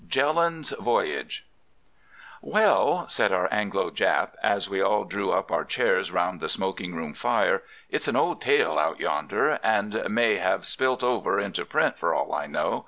JELLAND'S VOYAGE "Well," said our Anglo Jap as we all drew up our chairs round the smoking room fire, "it's an old tale out yonder, and may have spilt over into print for all I know.